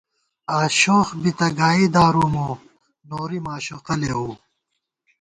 آشوخ بی تہ گائی دارُو مو، نوری ماشوقہ لېؤو